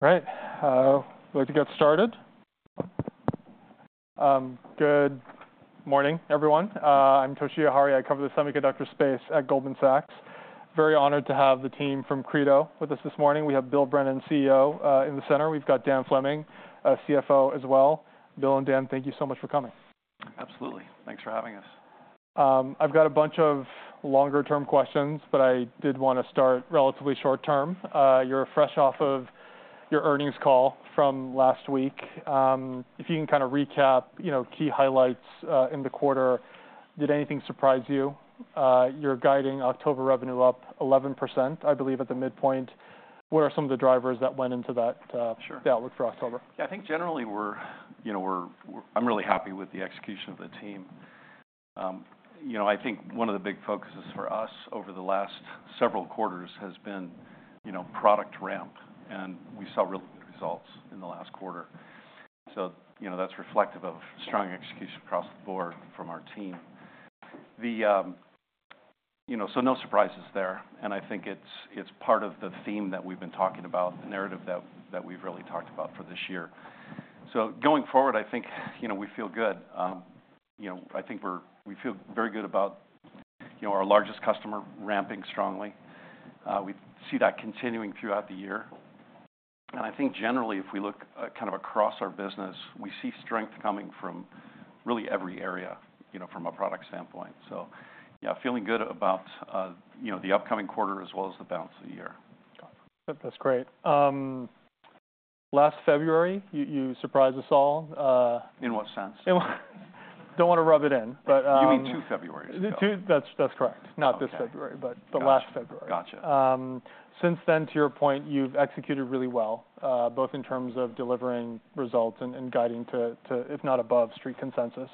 All right, we'd like to get started. Good morning, everyone. I'm Toshiya Hari, I cover the semiconductor space at Goldman Sachs. Very honored to have the team from Credo with us this morning. We have Bill Brennan, CEO, in the center. We've got Dan Fleming, our CFO as well. Bill and Dan, thank you so much for coming. Absolutely. Thanks for having us. I've got a bunch of longer-term questions, but I did want to start relatively short term. You're fresh off of your earnings call from last week. If you can kind of recap, you know, key highlights in the quarter, did anything surprise you? You're guiding October revenue up 11%, I believe, at the midpoint. What are some of the drivers that went into that? Sure The outlook for October? Yeah, I think generally, we're, you know, I'm really happy with the execution of the team. You know, I think one of the big focuses for us over the last several quarters has been, you know, product ramp, and we saw real results in the last quarter. So, you know, that's reflective of strong execution across the board from our team. The, you know, so no surprises there, and I think it's part of the theme that we've been talking about, the narrative that we've really talked about for this year. So going forward, I think, you know, we feel good. You know, I think we feel very good about, you know, our largest customer ramping strongly. We see that continuing throughout the year. I think generally, if we look kind of across our business, we see strength coming from really every area, you know, from a product standpoint. Yeah, feeling good about, you know, the upcoming quarter as well as the balance of the year. That's great. Last February, you surprised us all. In what sense? Don't want to rub it in, but. You mean two Februaries ago. That's correct. Okay. Not this February, but. Gotcha. the last February. Gotcha. Since then, to your point, you've executed really well, both in terms of delivering results and guiding to, if not above, Street consensus.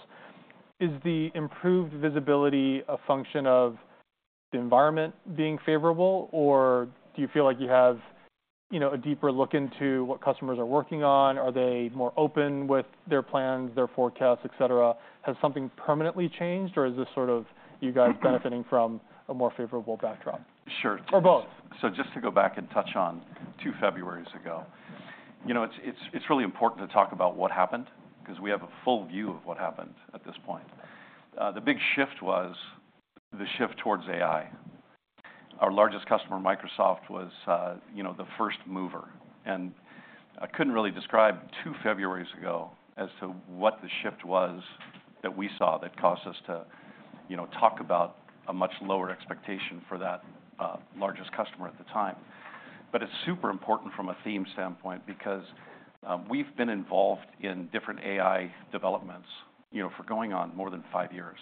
Is the improved visibility a function of the environment being favorable, or do you feel like you have, you know, a deeper look into what customers are working on? Are they more open with their plans, their forecasts, et cetera? Has something permanently changed, or is this sort of you guys benefiting from a more favorable backdrop? Sure. Or both? So just to go back and touch on two Februaries ago. You know, it's really important to talk about what happened because we have a full view of what happened at this point. The big shift was the shift towards AI. Our largest customer, Microsoft, was, you know, the first mover, and I couldn't really describe two Februaries ago as to what the shift was that we saw that caused us to, you know, talk about a much lower expectation for that largest customer at the time. But it's super important from a theme standpoint because we've been involved in different AI developments, you know, for going on more than five years.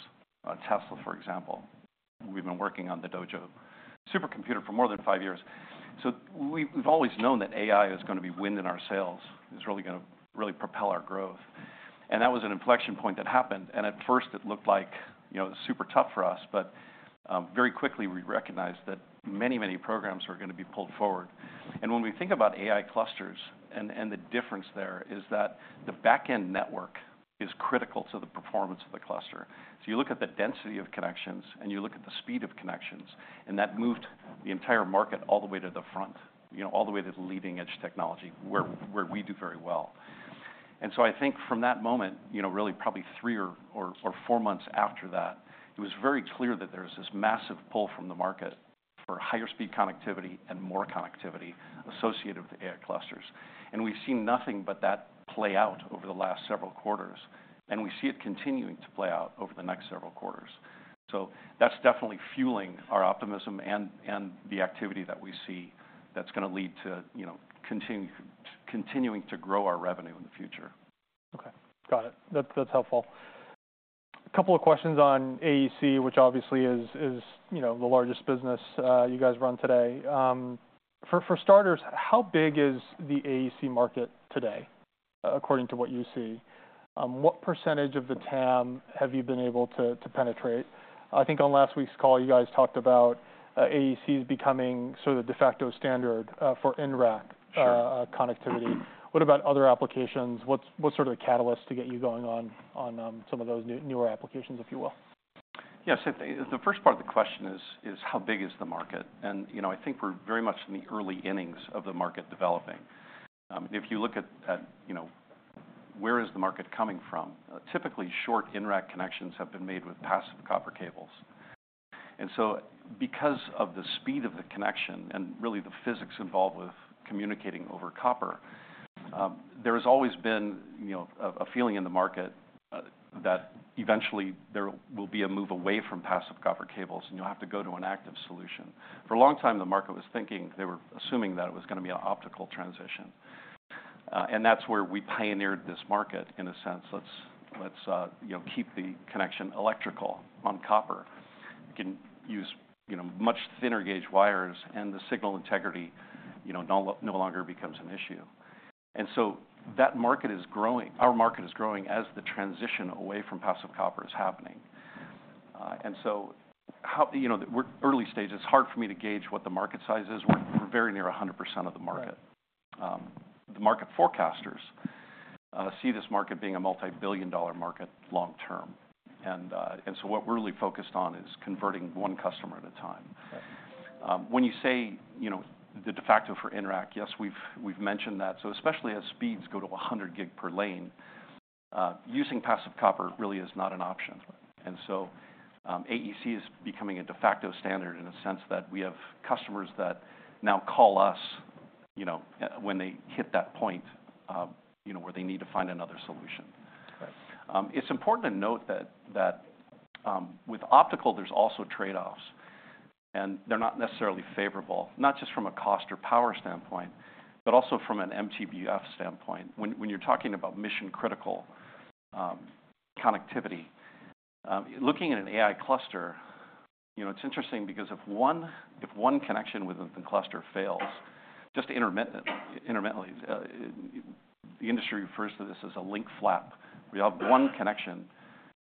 Tesla, for example, we've been working on the Dojo supercomputer for more than five years. So we've always known that AI is gonna be wind in our sails. It's really gonna propel our growth. And that was an inflection point that happened, and at first it looked like, you know, super tough for us, but very quickly, we recognized that many, many programs were gonna be pulled forward. And when we think about AI clusters, and the difference there is that the back-end network is critical to the performance of the cluster. So you look at the density of connections, and you look at the speed of connections, and that moved the entire market all the way to the front, you know, all the way to the leading-edge technology, where we do very well. I think from that moment, you know, really probably three or four months after that, it was very clear that there was this massive pull from the market for higher speed connectivity and more connectivity associated with the AI clusters. We've seen nothing but that play out over the last several quarters, and we see it continuing to play out over the next several quarters. That's definitely fueling our optimism and the activity that we see that's gonna lead to, you know, continuing to grow our revenue in the future. Okay, got it. That's helpful. A couple of questions on AEC, which obviously is, you know, the largest business you guys run today. For starters, how big is the AEC market today, according to what you see? What percentage of the TAM have you been able to penetrate? I think on last week's call, you guys talked about AEC becoming sort of de facto standard for in-rack- Sure... connectivity. What about other applications? What's sort of the catalyst to get you going on some of those newer applications, if you will? Yes, so the first part of the question is: How big is the market? And, you know, I think we're very much in the early innings of the market developing. If you look at, you know, where is the market coming from, typically, short in-rack connections have been made with passive copper cables. And so because of the speed of the connection and really the physics involved with communicating over copper, there has always been, you know, a feeling in the market, that eventually there will be a move away from passive copper cables, and you'll have to go to an active solution. For a long time, the market was thinking, they were assuming that it was gonna be an optical transition, and that's where we pioneered this market, in a sense. Let's, you know, keep the connection electrical on copper. You can use, you know, much thinner gauge wires and the signal integrity, you know, no longer becomes an issue. And so that market is growing. Our market is growing as the transition away from passive copper is happening. And so, you know, we're early stage. It's hard for me to gauge what the market size is. We're very near 100% of the market. Right. The market forecasters see this market being a multi-billion-dollar market long term, and so what we're really focused on is converting one customer at a time. When you say, you know, the de facto for Ethernet, yes, we've mentioned that, so especially as speeds go to 100 gig per lane, using passive copper really is not an option, and so AEC is becoming a de facto standard in a sense that we have customers that now call us, you know, when they hit that point, you know, where they need to find another solution. Right. It's important to note that with optical, there's also trade-offs, and they're not necessarily favorable, not just from a cost or power standpoint, but also from an MTBF standpoint, when you're talking about mission-critical connectivity. Looking at an AI cluster, you know, it's interesting because if one connection within the cluster fails, just intermittently, the industry refers to this as a link flap. We have one connection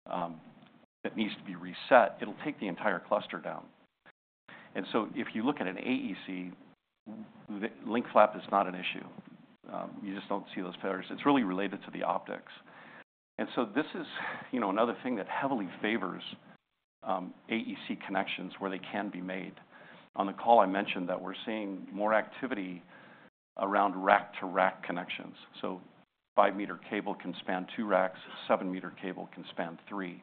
that needs to be reset. It'll take the entire cluster down. And so if you look at an AEC, the link flap is not an issue. You just don't see those failures. It's really related to the optics. And so this is, you know, another thing that heavily favors AEC connections where they can be made. On the call, I mentioned that we're seeing more activity around rack-to-rack connections, so 5m cable can span two racks, 7m cable can span three.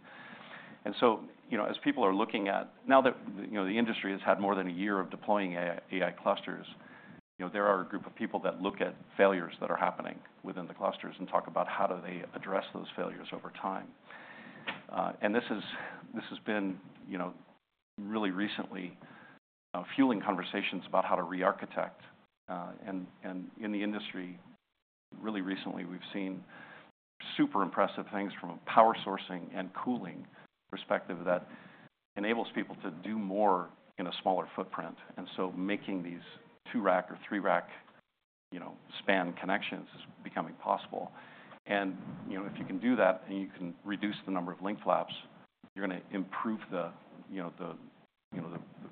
And so, you know, as people are looking at now that, you know, the industry has had more than a year of deploying AI, AI clusters, you know, there are a group of people that look at failures that are happening within the clusters and talk about how do they address those failures over time. And this has been, you know, really recently, fueling conversations about how to rearchitect and in the industry, really recently, we've seen super impressive things from a power sourcing and cooling perspective that enables people to do more in a smaller footprint. And so making these two-rack or three-rack, you know, span connections is becoming possible. You know, if you can do that, and you can reduce the number of link flaps, you're gonna improve the, you know, the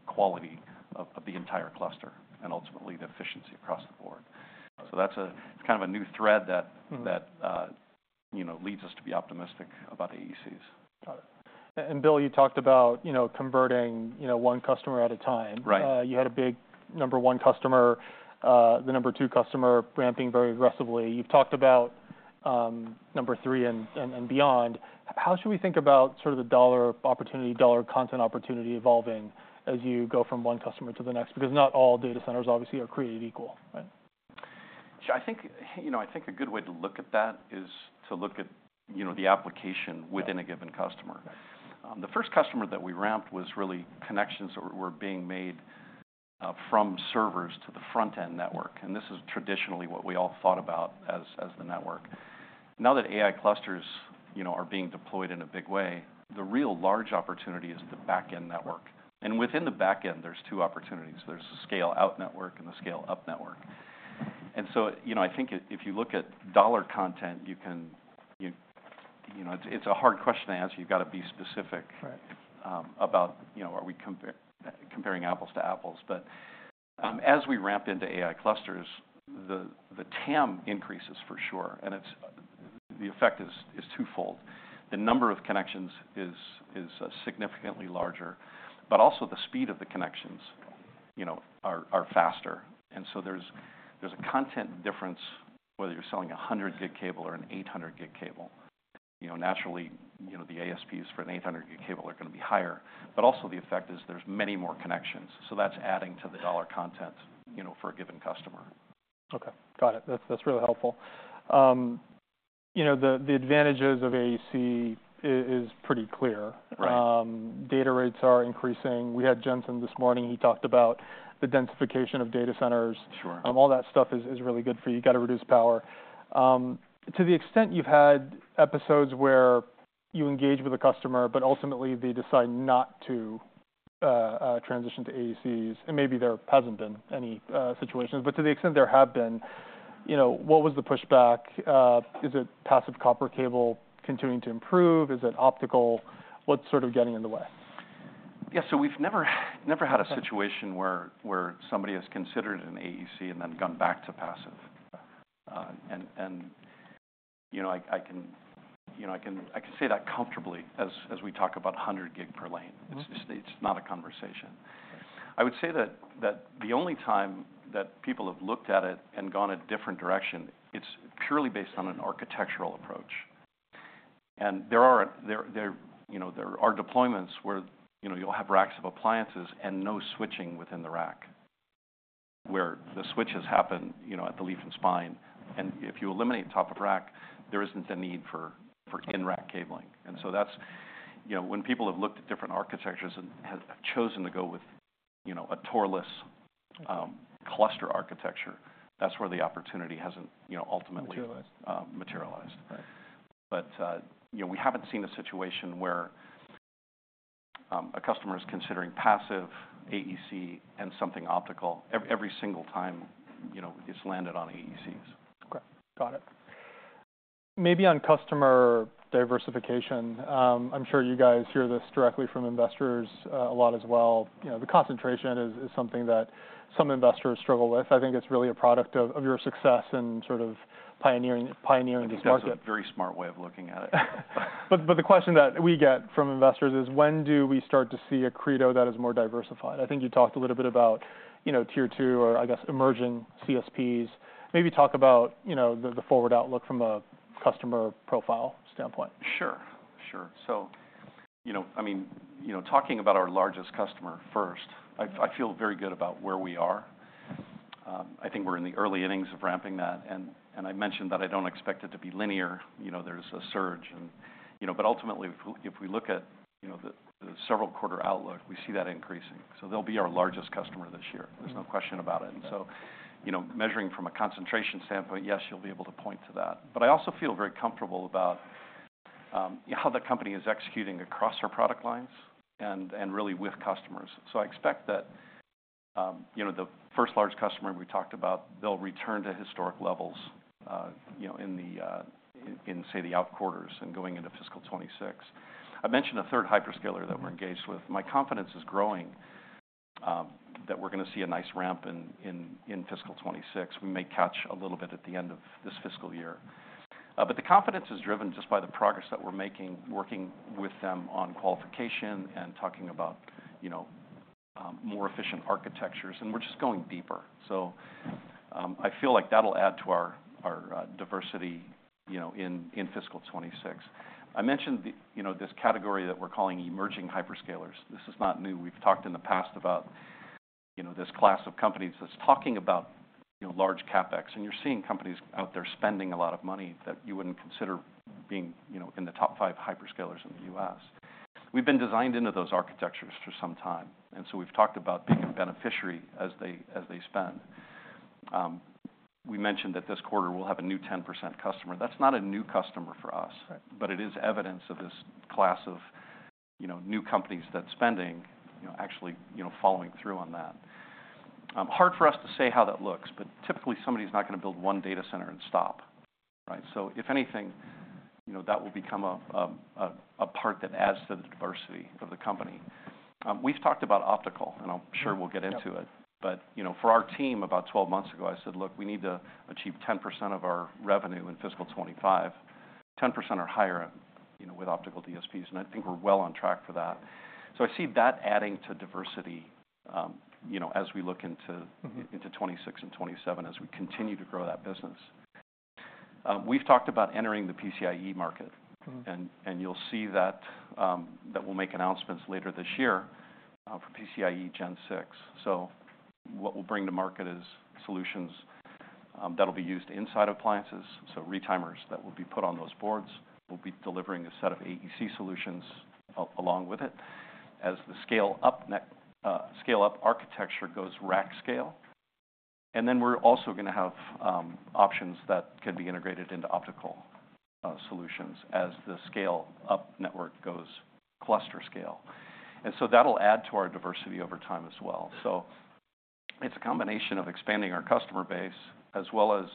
quality of the entire cluster and ultimately the efficiency across the board. That's a kind of a new thread that. Mm-hmm. That, you know, leads us to be optimistic about AECs. Got it, and Bill, you talked about, you know, converting, you know, one customer at a time. Right. You had a big number one customer, the number two customer ramping very aggressively. You've talked about number three and beyond. How should we think about sort of the dollar opportunity, dollar content opportunity evolving as you go from one customer to the next? Because not all data centers, obviously, are created equal, right? So I think, you know, I think a good way to look at that is to look at, you know, the application. Right Within a given customer. Right. The first customer that we ramped was really connections that were being made from servers to the front-end network, and this is traditionally what we all thought about as the network. Now that AI clusters, you know, are being deployed in a big way, the real large opportunity is the back-end network. And within the back end, there's two opportunities. There's the scale-out network and the scale-up network. And so, you know, I think if you look at dollar content, you can, you know—it's a hard question to answer. You've got to be specific- Right about, you know, are we comparing apples to apples? But as we ramp into AI clusters, the TAM increases for sure, and it's the effect is twofold. The number of connections is significantly larger, but also the speed of the connections, you know, are faster. And so there's a content difference whether you're selling a 100 gig cable or an 800 gig cable. You know, naturally, you know, the ASPs for an 800 gig cable are gonna be higher, but also the effect is there's many more connections, so that's adding to the dollar content, you know, for a given customer. Okay, got it. That's really helpful. You know, the advantages of AEC is pretty clear. Right. Data rates are increasing. We had Jensen this morning. He talked about the densification of data centers. Sure. All that stuff is really good for you. You got to reduce power. To the extent you've had episodes where you engage with a customer, but ultimately they decide not to transition to AECs, and maybe there hasn't been any situations, but to the extent there have been, you know, what was the pushback? Is it passive copper cable continuing to improve? Is it optical? What's sort of getting in the way? Yeah, so we've never had a situation where somebody has considered an AEC and then gone back to passive. And you know, I can say that comfortably as we talk about 100 gig per lane. Mm-hmm. It's not a conversation. I would say that the only time that people have looked at it and gone a different direction, it's purely based on an architectural approach. And there are deployments where, you know, you'll have racks of appliances and no switching within the rack, where the switches happen, you know, at the leaf and spine. And if you eliminate top of rack, there isn't a need for in-rack cabling. And so that's... You know, when people have looked at different architectures and have chosen to go with, you know, a TOR-less cluster architecture, that's where the opportunity hasn't, you know, ultimately. Materialized. Uh, materialized. Right. But, you know, we haven't seen a situation where a customer is considering passive AEC and something optical. Every single time, you know, it's landed on AECs. Okay. Got it. Maybe on customer diversification. I'm sure you guys hear this directly from investors a lot as well. You know, the concentration is something that some investors struggle with. I think it's really a product of your success and sort of pioneering this market. That's a very smart way of looking at it. But the question that we get from investors is: when do we start to see a Credo that is more diversified? I think you talked a little bit about, you know, tier two, or I guess, emerging CSPs. Maybe talk about, you know, the forward outlook from a customer profile standpoint. Sure. Sure. So, you know, I mean, you know, talking about our largest customer first, I feel very good about where we are. I think we're in the early innings of ramping that, and I mentioned that I don't expect it to be linear. You know, there's a surge and. You know, but ultimately, if we look at, you know, the several quarter outlook, we see that increasing. So they'll be our largest customer this year. Mm-hmm. There's no question about it. So, you know, measuring from a concentration standpoint, yes, you'll be able to point to that. But I also feel very comfortable about how the company is executing across our product lines and really with customers. So I expect that, you know, the first large customer we talked about, they'll return to historic levels, you know, in, say, the outer quarters and going into fiscal 2026. I mentioned a third hyperscaler that we're engaged with. My confidence is growing that we're gonna see a nice ramp in fiscal 2026. We may catch a little bit at the end of this fiscal year. But the confidence is driven just by the progress that we're making, working with them on qualification and talking about, you know, more efficient architectures, and we're just going deeper. So, I feel like that'll add to our diversity, you know, in fiscal 2026. I mentioned the, you know, this category that we're calling emerging hyperscalers. This is not new. We've talked in the past about, you know, this class of companies that's talking about, you know, large CapEx, and you're seeing companies out there spending a lot of money that you wouldn't consider being, you know, in the top five hyperscalers in the U.S. We've been designed into those architectures for some time, and so we've talked about being a beneficiary as they spend. We mentioned that this quarter, we'll have a new 10% customer. That's not a new customer for us. Right. but it is evidence of this class of, you know, new companies that spending, you know, actually, you know, following through on that. Hard for us to say how that looks, but typically, somebody's not gonna build one data center and stop, right? So if anything, you know, that will become a part that adds to the diversity of the company. We've talked about optical, and I'm sure we'll get into it. Yep. But, you know, for our team, about twelve months ago, I said: Look, we need to achieve 10% of our revenue in fiscal 2025, 10% or higher, you know, with Optical DSPs, and I think we're well on track for that. So I see that adding to diversity, you know, as we look into. Mm-hmm Into 2026 and 2027, as we continue to grow that business. We've talked about entering the PCIe market. Mm-hmm. You'll see that we'll make announcements later this year for PCIe Gen 6. So what we'll bring to market is solutions that'll be used inside appliances, so retimers that will be put on those boards. We'll be delivering a set of AEC solutions along with it as the scale-up architecture goes rack-scale. And then we're also gonna have options that can be integrated into optical solutions as the scale-up network goes cluster-scale. And so that'll add to our diversity over time as well. So it's a combination of expanding our customer base, as well as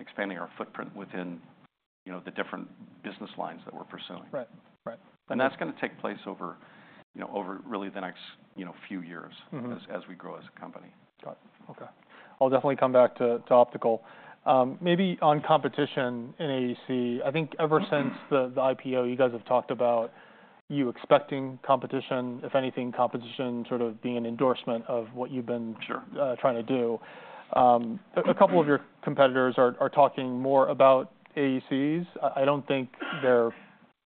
expanding our footprint within, you know, the different business lines that we're pursuing. Right. Right. And that's gonna take place over, you know, over really the next, you know, few years- Mm-hmm. As we grow as a company. Got it. Okay. I'll definitely come back to optical. Maybe on competition in AEC, I think ever since the IPO, you guys have talked about you expecting competition, if anything, competition sort of being an endorsement of what you've been. Sure. Trying to do. A couple of your competitors are talking more about AECs. I don't think they're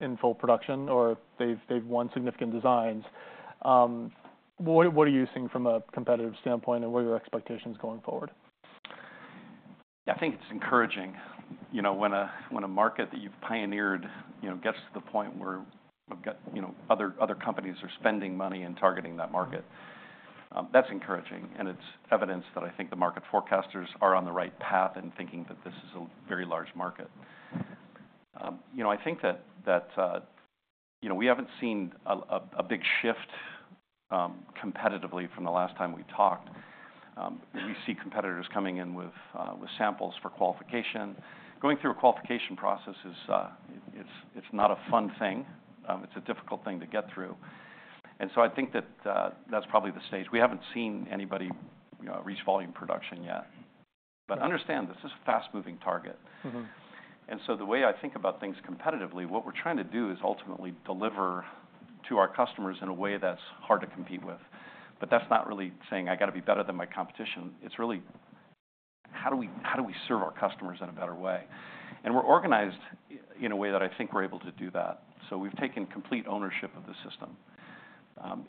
in full production or they've won significant designs. What are you seeing from a competitive standpoint, and what are your expectations going forward? I think it's encouraging, you know, when a market that you've pioneered, you know, gets to the point where we've got, you know, other companies are spending money and targeting that market. Mm-hmm. That's encouraging, and it's evidence that I think the market forecasters are on the right path in thinking that this is a very large market. You know, I think that we haven't seen a big shift competitively from the last time we talked. We see competitors coming in with samples for qualification. Going through a qualification process is, it's not a fun thing. It's a difficult thing to get through. And so I think that that's probably the stage. We haven't seen anybody, you know, reach volume production yet. But understand, this is a fast-moving target. Mm-hmm. And so the way I think about things competitively, what we're trying to do is ultimately deliver to our customers in a way that's hard to compete with. But that's not really saying, "I got to be better than my competition." It's really: How do we serve our customers in a better way? And we're organized in a way that I think we're able to do that. So we've taken complete ownership of the system.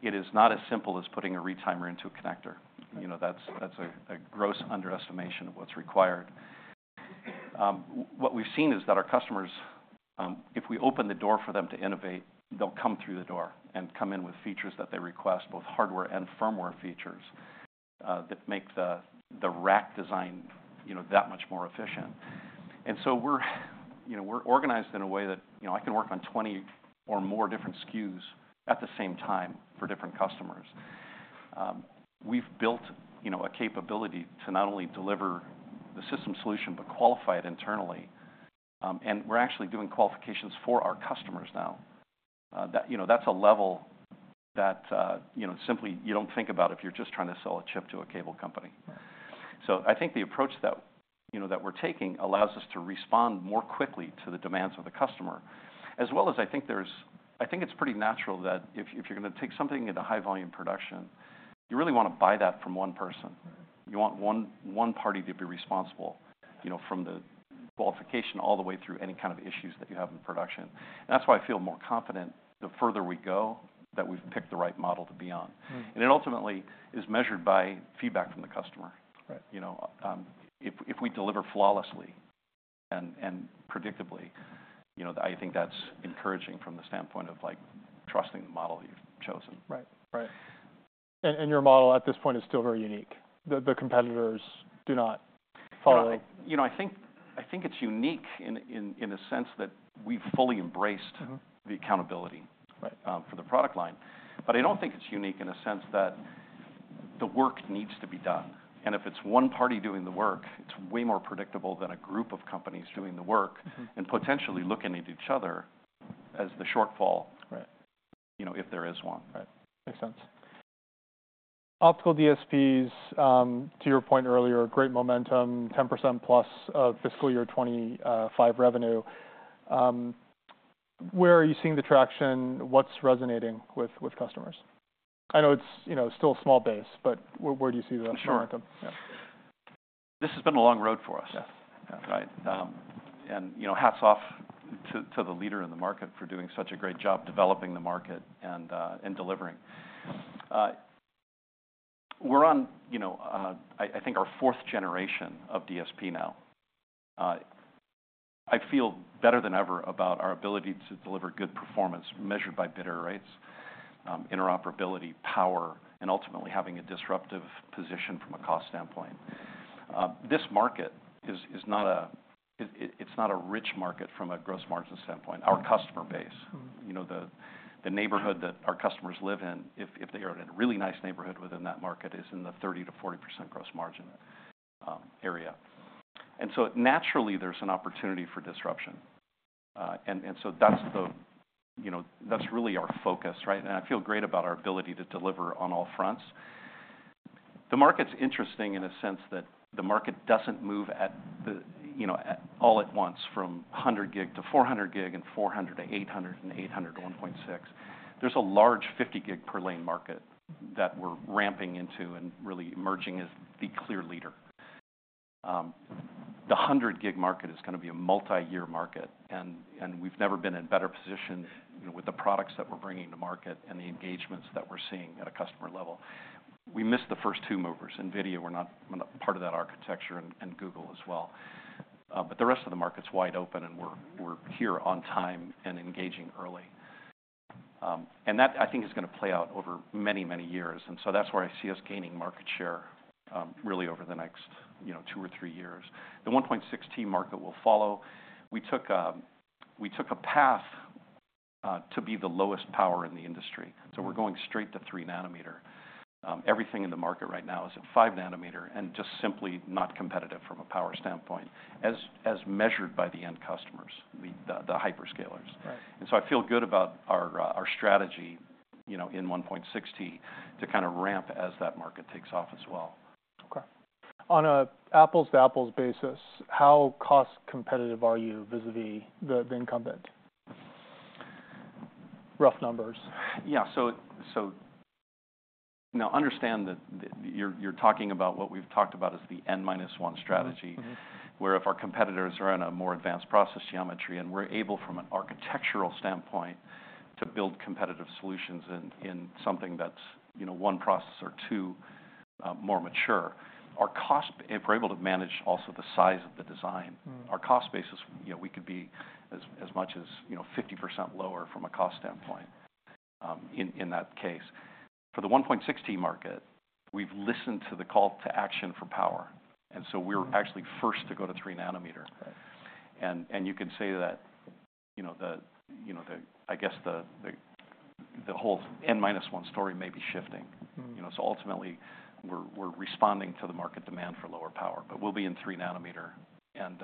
It is not as simple as putting a retimer into a connector. You know, that's a gross underestimation of what's required. What we've seen is that our customers, if we open the door for them to innovate, they'll come through the door and come in with features that they request, both hardware and firmware features, that make the rack design, you know, that much more efficient, and so we're, you know, organized in a way that, you know, I can work on 20 or more different SKUs at the same time for different customers. We've built, you know, a capability to not only deliver the system solution, but qualify it internally, and we're actually doing qualifications for our customers now. That you know, that's a level that, you know, simply you don't think about if you're just trying to sell a chip to a cable company. So I think the approach that, you know, that we're taking allows us to respond more quickly to the demands of the customer, as well as I think there's. I think it's pretty natural that if, if you're gonna take something into high volume production, you really want to buy that from one person. Right. You want one party to be responsible, you know, from the qualification all the way through any kind of issues that you have in production. And that's why I feel more confident the further we go, that we've picked the right model to be on. Mm-hmm. It ultimately is measured by feedback from the customer. Right. You know, if we deliver flawlessly and predictably, you know, I think that's encouraging from the standpoint of, like, trusting the model you've chosen. Right. And your model at this point is still very unique. The competitors do not follow. You know, I think it's unique in the sense that we've fully embraced. Mm-hmm. The accountability- Right. For the product line, but I don't think it's unique in a sense that the work needs to be done, and if it's one party doing the work, it's way more predictable than a group of companies doing the work. Mm-hmm. And potentially looking at each other as the shortfall Right. You know, if there is one. Right. Makes sense. Optical DSPs, to your point earlier, great momentum, 10% plus of fiscal year 2025 revenue. Where are you seeing the traction? What's resonating with customers? I know it's, you know, still a small base, but where do you see the momentum? Sure. Yeah. This has been a long road for us. Yes. Right? And, you know, hats off to the leader in the market for doing such a great job developing the market and delivering. We're on, you know, I think, our fourth generation of DSP now. I feel better than ever about our ability to deliver good performance measured by bit error rates, interoperability, power, and ultimately having a disruptive position from a cost standpoint. This market is not a rich market from a gross margin standpoint. Mm-hmm. Our customer base. Mm-hmm. You know, the neighborhood that our customers live in, if they are in a really nice neighborhood within that market, is in the 30%-40% gross margin area. And so naturally, there's an opportunity for disruption. And so that's you know, that's really our focus, right? And I feel great about our ability to deliver on all fronts. The market's interesting in a sense that the market doesn't move at the, you know, at all at once, from 100 gig to 400 gig, and 400 to 800, and 800 to 1.6. There's a large 50 gig per lane market that we're ramping into and really emerging as the clear leader. The 100 gig market is gonna be a multiyear market, and we've never been in a better position, you know, with the products that we're bringing to market and the engagements that we're seeing at a customer level. We missed the first two movers. NVIDIA were not part of that architecture, and Google as well, but the rest of the market's wide open, and we're here on time and engaging early, and that, I think, is gonna play out over many, many years, and so that's where I see us gaining market share, really, over the next, you know, two or three years. The 1.6T market will follow. We took a path to be the lowest power in the industry, so we're going straight to three nanometer. Everything in the market right now is at five nanometer and just simply not competitive from a power standpoint, as measured by the end customers, the hyperscalers. Right. And so I feel good about our strategy, you know, in 1.6T to kind of ramp as that market takes off as well. Okay. On an apples-to-apples basis, how cost competitive are you vis-a-vis the incumbent? Rough numbers. Yeah. So now understand that you're talking about what we've talked about as the N minus one strategy. Mm-hmm. Where if our competitors are in a more advanced process geometry, and we're able, from an architectural standpoint, to build competitive solutions in something that's, you know, one process or two more mature, our cost- if we're able to manage also the size of the design- Mm. Our cost base is, you know, we could be as much as, you know, 50% lower from a cost standpoint, in that case. For the 1.6T market, we've listened to the call to action for power, and so we're actually first to go to three nanometer. Right. You can say that, you know, the whole N minus one story may be shifting. Mm. You know, so ultimately, we're responding to the market demand for lower power, but we'll be in three nanometer, and,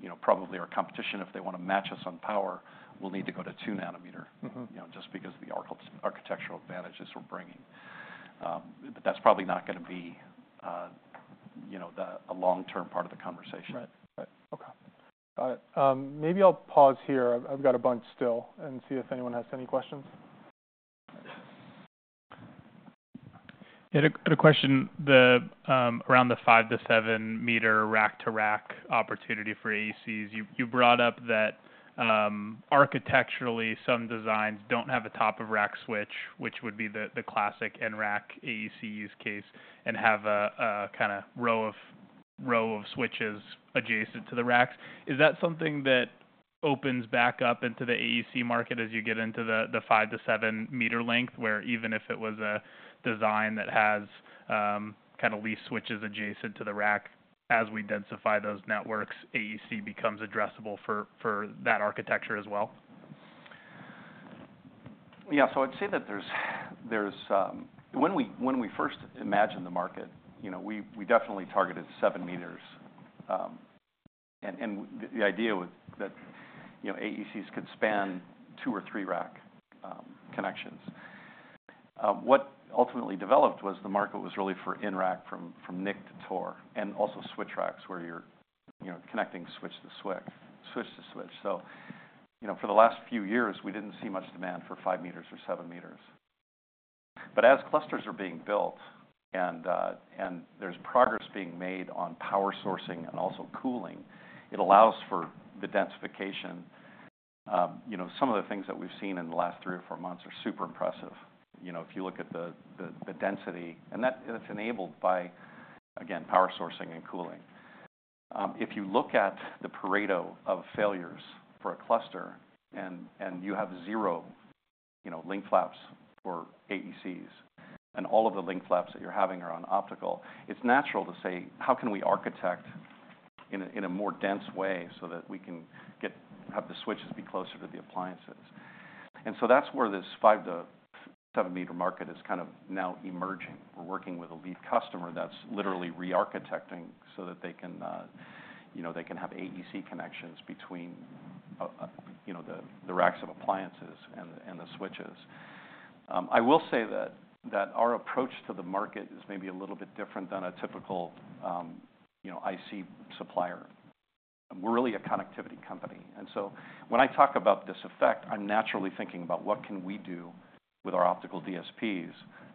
you know, probably our competition, if they want to match us on power, will need to go to two nanometer. Mm-hmm. You know, just because of the architectural advantages we're bringing. But that's probably not gonna be, you know, a long-term part of the conversation. Right. Right. Okay. Maybe I'll pause here, I've got a bunch still, and see if anyone has any questions. Yeah, a question. The around the 5m to 7m rack-to-rack opportunity for AECs, you brought up that, architecturally, some designs don't have a top-of-rack switch, which would be the classic in-rack AEC use case, and have a kind of row of switches adjacent to the racks. Is that something that opens back up into the AEC market as you get into the 5m to 7m length, where even if it was a design that has kind of leaf switches adjacent to the rack, as we densify those networks, AEC becomes addressable for that architecture as well? Yeah, so I'd say that there's when we first imagined the market, you know, we definitely targeted 7m, and the idea was that, you know, AECs could span two or three rack connections. What ultimately developed was the market was really for in-rack, from NIC to TOR, and also switch racks, where you're, you know, connecting switch to switch, switch to switch, so you know, for the last few years, we didn't see much demand for 5m or 7m, but as clusters are being built and there's progress being made on power sourcing and also cooling, it allows for the densification. You know, some of the things that we've seen in the last three or four months are super impressive. You know, if you look at the density, and that and it's enabled by, again, power sourcing and cooling. If you look at the Pareto of failures for a cluster, and you have zero, you know, link flaps for AECs, and all of the link flaps that you're having are on optical, it's natural to say: How can we architect in a more dense way so that we can have the switches be closer to the appliances? And so that's where this 5m to 7m market is kind of now emerging. We're working with a lead customer that's literally re-architecting so that they can, you know, they can have AEC connections between, you know, the racks of appliances and the switches. I will say that our approach to the market is maybe a little bit different than a typical, you know, IC supplier. We're really a connectivity company. And so when I talk about this effect, I'm naturally thinking about what can we do with our optical DSPs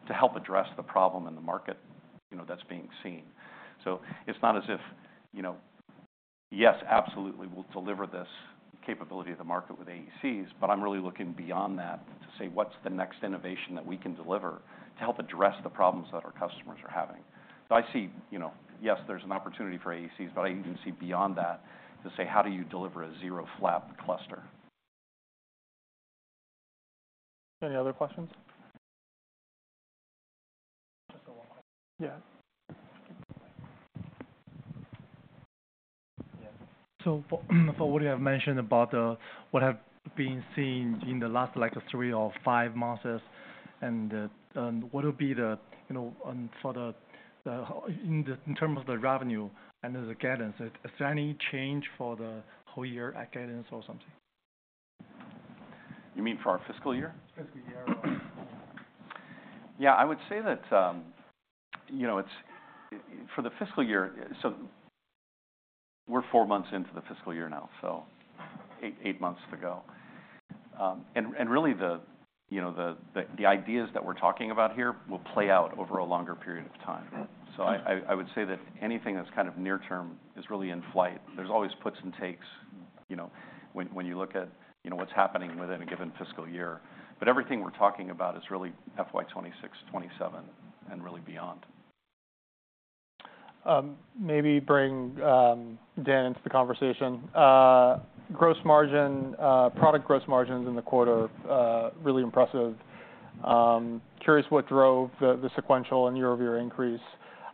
to help address the problem in the market, you know, that's being seen. So it's not as if, you know. Yes, absolutely, we'll deliver this capability to the market with AECs, but I'm really looking beyond that to say, what's the next innovation that we can deliver to help address the problems that our customers are having? So I see, you know, yes, there's an opportunity for AECs, but I even see beyond that to say: How do you deliver a zero-flap cluster? Any other questions? Just one question. Yeah. So, for what you have mentioned about what have been seen in the last, like, three or five months, and what would be the, you know, for the in terms of the revenue and the guidance, is there any change for the whole year guidance or something? You mean for our fiscal year? Fiscal year. Yeah, I would say that, you know, it's for the fiscal year. So we're four months into the fiscal year now, so eight months to go. And really, you know, the ideas that we're talking about here will play out over a longer period of time. Mm-hmm. I would say that anything that's kind of near term is really in flight. There's always puts and takes, you know, when you look at, you know, what's happening within a given fiscal year. But everything we're talking about is really FY 2026, 2027, and really beyond. Maybe bring Dan into the conversation. Gross margin, product gross margins in the quarter, really impressive. Curious what drove the sequential and year-over-year increase.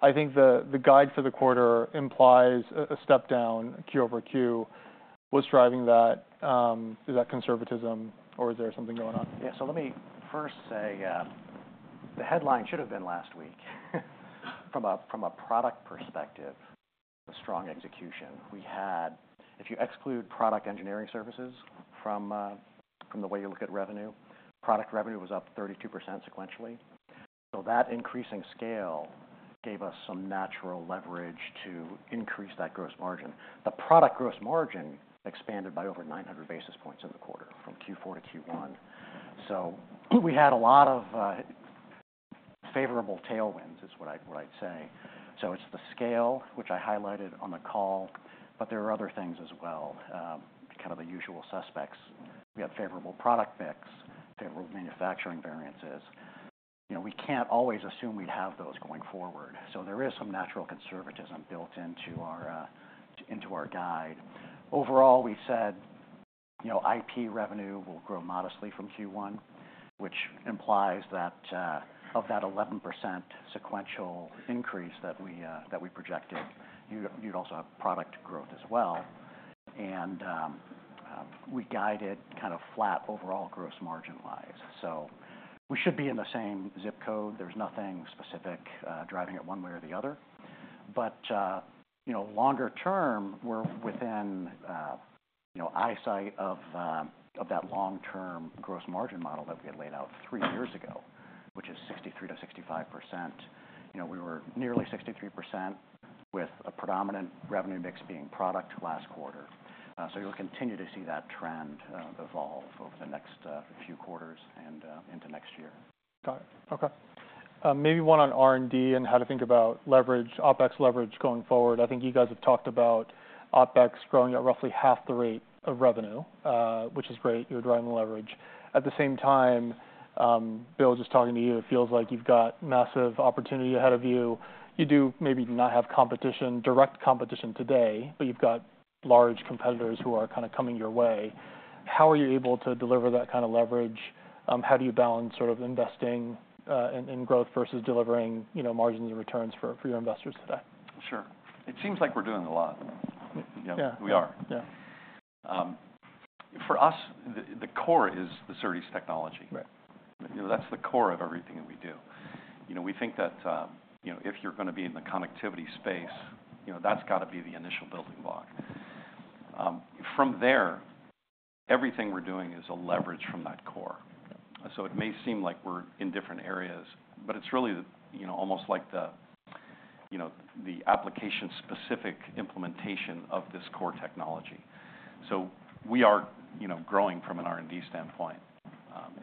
I think the guide for the quarter implies a step down Q over Q. What's driving that? Is that conservatism or is there something going on? Yeah. So let me first say, the headline should have been last week. From a product perspective, a strong execution. We had. If you exclude product engineering services from the way you look at revenue, product revenue was up 32% sequentially. So that increasing scale gave us some natural leverage to increase that gross margin. The product gross margin expanded by over 900 basis points in the quarter, from Q4 to Q1. So we had a lot of favorable tailwinds, is what I'd say. So it's the scale, which I highlighted on the call, but there are other things as well, kind of the usual suspects. We had favorable product mix, favorable manufacturing variances. You know, we can't always assume we'd have those going forward, so there is some natural conservatism built into our guide. Overall, we said, you know, IP revenue will grow modestly from Q1, which implies that of that 11% sequential increase that we projected, you'd also have product growth as well. And we guided kind of flat overall gross margin wise. So we should be in the same zip code. There's nothing specific driving it one way or the other. But you know, longer term, we're within you know, eyesight of that long-term gross margin model that we had laid out three years ago, which is 63%-65%. You know, we were nearly 63%, with a predominant revenue mix being product last quarter. So you'll continue to see that trend evolve over the next few quarters and into next year. Got it. Okay. Maybe one on R&D and how to think about leverage, OpEx leverage going forward. I think you guys have talked about OpEx growing at roughly half the rate of revenue, which is great. You're driving the leverage. At the same time, Bill, just talking to you, it feels like you've got massive opportunity ahead of you. You do maybe not have competition, direct competition today, but you've got large competitors who are kind of coming your way. How are you able to deliver that kind of leverage? How do you balance sort of investing in growth versus delivering, you know, margins and returns for your investors today? Sure. It seems like we're doing a lot. Yeah. We are. Yeah. For us, the core is the SerDes technology. Right. You know, that's the core of everything that we do. You know, we think that, you know, if you're gonna be in the connectivity space, you know, that's gotta be the initial building block. From there, everything we're doing is a leverage from that core. So it may seem like we're in different areas, but it's really, you know, almost like the, you know, the application-specific implementation of this core technology. So we are, you know, growing from an R&D standpoint.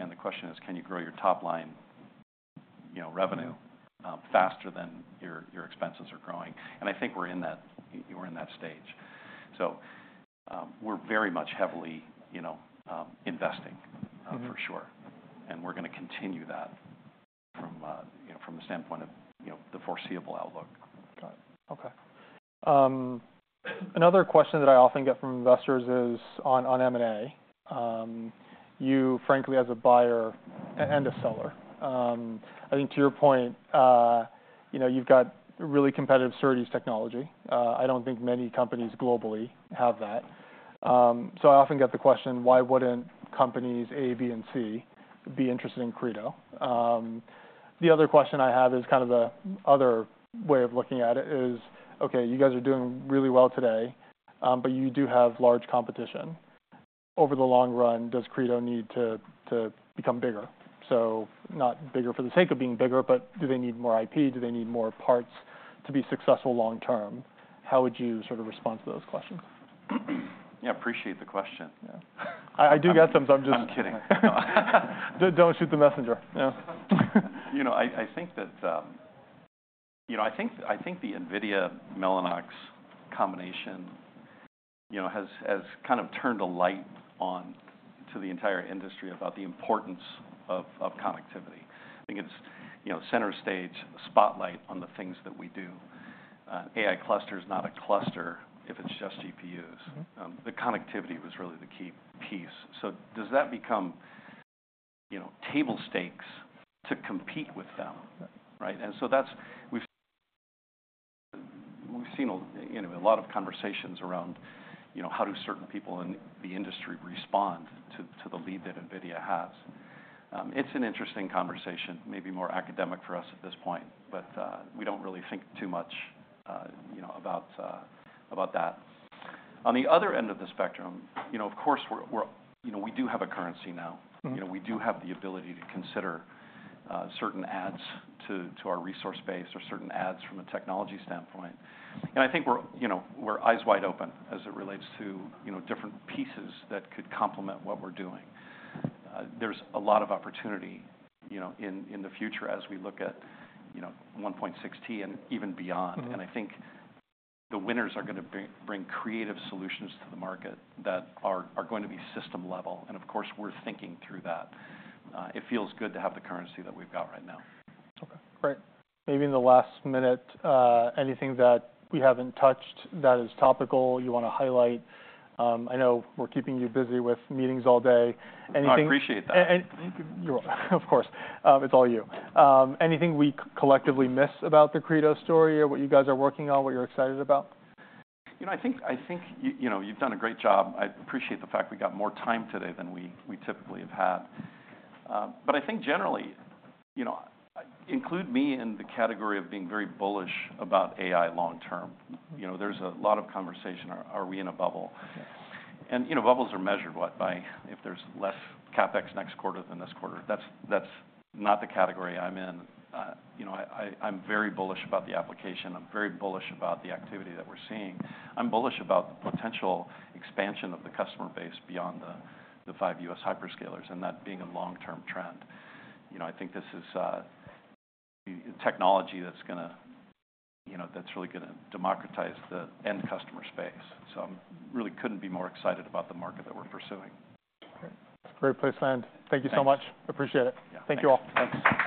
And the question is: Can you grow your top line, you know, revenue, faster than your expenses are growing? And I think we're in that stage. So, we're very much heavily, you know, investing. Mm-hmm For sure, and we're gonna continue that from, you know, from the standpoint of, you know, the foreseeable outlook. Got it. Okay. Another question that I often get from investors is on M&A. You frankly, as a buyer and a seller, I think to your point, you know, you've got really competitive SerDes technology. I don't think many companies globally have that. So I often get the question: Why wouldn't Companies A, B, and C be interested in Credo? The other question I have is kind of the other way of looking at it, is, okay, you guys are doing really well today, but you do have large competition. Over the long run, does Credo need to become bigger? So not bigger for the sake of being bigger, but do they need more IP? Do they need more parts to be successful long term? How would you sort of respond to those questions? Yeah, appreciate the question. Yeah. I do get some, so I'm just. I'm kidding. Don't shoot the messenger. Yeah. You know, I think that, you know, I think the NVIDIA-Mellanox combination, you know, has kind of turned a light on to the entire industry about the importance of connectivity. I think it's, you know, center stage, the spotlight on the things that we do. AI cluster is not a cluster if it's just GPUs. Mm-hmm. The connectivity was really the key piece. So does that become, you know, table stakes to compete with them? Right. Right? And so that's... we've seen a, you know, a lot of conversations around, you know, how do certain people in the industry respond to the lead that NVIDIA has? It's an interesting conversation, maybe more academic for us at this point, but we don't really think too much, you know, about that. On the other end of the spectrum, you know, of course, we're-- you know, we do have a currency now. Mm-hmm. You know, we do have the ability to consider certain adds to our resource base or certain adds from a technology standpoint, and I think we're, you know, we're eyes wide open as it relates to, you know, different pieces that could complement what we're doing. There's a lot of opportunity, you know, in the future as we look at, you know, 1.6T and even beyond. Mm-hmm. And I think the winners are gonna bring creative solutions to the market that are going to be system level. And of course, we're thinking through that. It feels good to have the currency that we've got right now. Okay, great. Maybe in the last minute, anything that we haven't touched that is topical, you wanna highlight? I know we're keeping you busy with meetings all day. Anything. No, I appreciate that. Of course. It's all you. Anything we collectively miss about the Credo story, or what you guys are working on, what you're excited about? You know, I think, you know, you've done a great job. I appreciate the fact we got more time today than we typically have had. But I think generally, you know, include me in the category of being very bullish about AI long term. Mm-hmm. You know, there's a lot of conversation: Are we in a bubble? Yes. You know, bubbles are measured, what, by if there's less CapEx next quarter than this quarter. That's not the category I'm in. You know, I'm very bullish about the application. I'm very bullish about the activity that we're seeing. I'm bullish about the potential expansion of the customer base beyond the five U.S. hyperscalers, and that being a long-term trend. You know, I think this is technology that's gonna, you know, that's really gonna democratize the end customer space. So, I really couldn't be more excited about the market that we're pursuing. Okay. Great place to end. Thanks. Thank you so much. Appreciate it. Yeah. Thank you, all. Thanks.